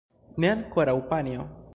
Ne ankoraŭ, panjo.